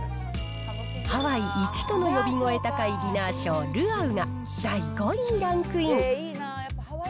ハワイいちとの呼び声高いディナーショー、ルアウが第５位にランクイン。